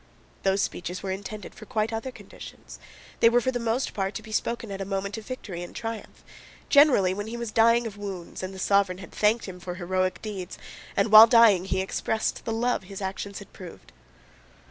Those speeches were intended for quite other conditions, they were for the most part to be spoken at a moment of victory and triumph, generally when he was dying of wounds and the sovereign had thanked him for heroic deeds, and while dying he expressed the love his actions had proved.